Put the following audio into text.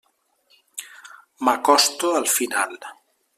M'acosto al final.